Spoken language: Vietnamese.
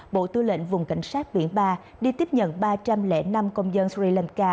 bộ tư lệnh vùng cảnh sát biển ba đi tiếp nhận ba trăm linh năm công dân sri lanka